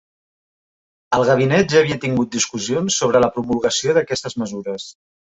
El gabinet ja havia tingut discussions sobre la promulgació d'aquestes mesures.